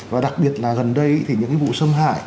và đặc biệt là gần đây thì những cái vụ xâm hại